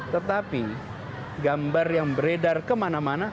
tetapi gambar yang beredar kemana mana